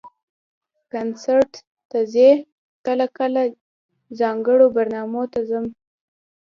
کنسرټ ته ځئ؟ کله کله، ځانګړو برنامو ته ځم